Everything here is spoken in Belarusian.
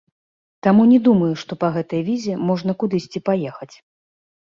Таму не думаю, што па гэтай візе можна кудысьці паехаць.